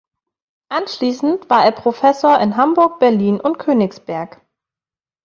Anschließend war er Professor in Hamburg, Berlin und Königsberg.